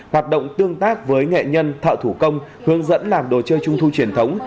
hoạt động tương tác với nghệ nhân thợ thủ công hướng dẫn làm đồ chơi trung thu truyền thống